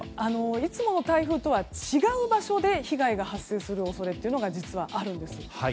いつもの台風とは違う場所で被害が発生する恐れが実はあるんです。